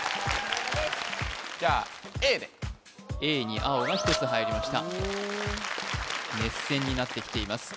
Ａに青が１つ入りました熱戦になってきています